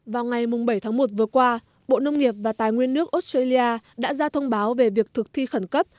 vào ngày bảy tháng một vừa qua bộ nông nghiệp và tài nguyên nước australia đã ra thông báo về việc thực thi khẩn cấp